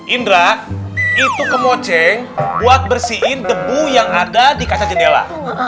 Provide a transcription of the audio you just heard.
indra itu kemoceng buat bersihin debu yang ada di kaca jendela